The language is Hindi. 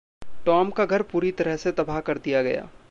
टॉम का घर पूरी तरह से तबाह कर दिया गया।